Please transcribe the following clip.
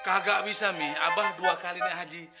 kagak bisa mi abang dua kali nih haji